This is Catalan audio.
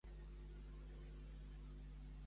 Amb qui van topar-se els Cercops?